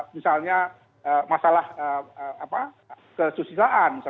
misalnya masalah kesusilaan